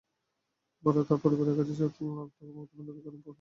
পরে তাঁর পরিবারের কাছে সাত লাখ টাকা মুক্তিপণ দাবি করেন অপহরণকারীরা।